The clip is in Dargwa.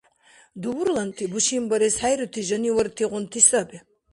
Дубурланти бушинбарес хӀейрути жанивартигъунти саби.